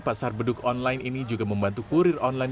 pasar beduk online ini juga membantu kurir online